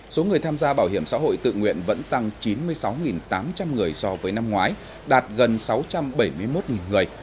số người tham gia bảo hiểm xã hội tự nguyện vẫn tăng chín mươi sáu tám trăm linh người so với năm ngoái đạt gần sáu trăm bảy mươi một người